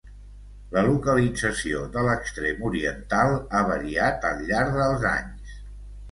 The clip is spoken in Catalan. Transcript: La localització de l'extrem oriental ha variat al llarg dels anys.